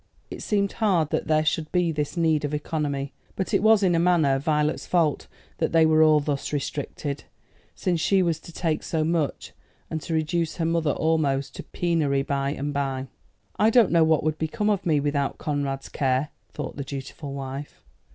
It seemed hard that there should be this need of economy, but it was in a manner Violet's fault that they were all thus restricted, since she was to take so much, and to reduce her mother almost to penury by and by. "I don't know what would become of me without Conrad's care," thought the dutiful wife.